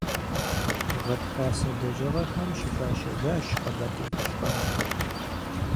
Гъатхасэ лэжьыгъэхэм щыпащэжащ Къэбэрдей-Балъкъэрым.